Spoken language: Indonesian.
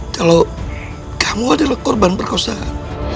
kalau kamu adalah korban perkosaan